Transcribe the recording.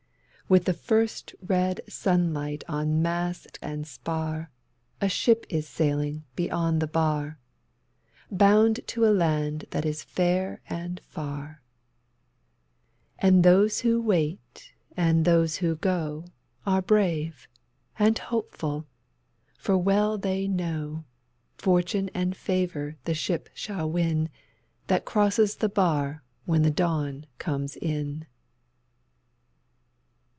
With the first red sunlight on mast and spar A ship is sailing beyond the bar, Bound to a land that is fair and far; And those who wait and those who go Are brave and hopeful, for well they know Fortune and favor the ship shall win That crosses the bar when the dawn comes in.